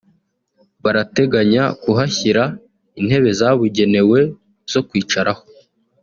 Barateganya kuhashyira intebe zabugenewe zo kwicaraho